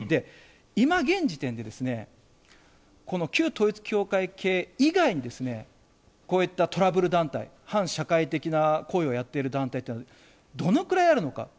今、現時点で、この旧統一教会系以外に、こういったトラブル団体、反社会的な行為をやっている団体っていうのはどのぐらいあるのか。